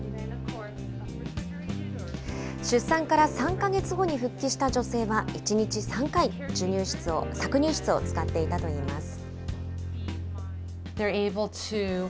出産から３か月後に復帰した女性は１日３回、搾乳室を使っていたといいます。